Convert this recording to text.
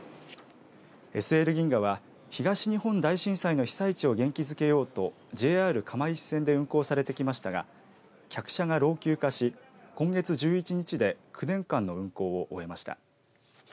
ＳＬ銀河は東日本大震災の被災地を元気づけようとＪＲ釜石線で運行されてきましたが客車が老朽化し今月１１日で９年間の運行を終えました。